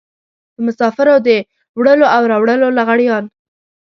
د مسافرو د وړلو او راوړلو لغړيان.